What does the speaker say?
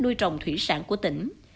nuôi trồng thủy sản của tỉnh